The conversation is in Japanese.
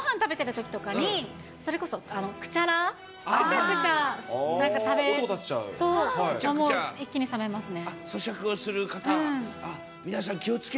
ごはん食べてるときとかに、それこそクチャラー、くちゃくちゃなんか食べ、もう一気に冷めますね。